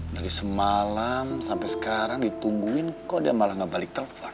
dari semalam sampai sekarang ditungguin kok dia malah ngebalik telepon